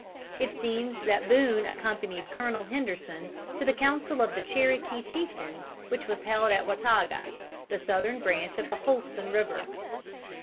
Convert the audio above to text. It seems that Boone accompanied Colonel Henderson to the council of the Cherokee chieftains which was held at Wataga, the southern branch of the Holston River.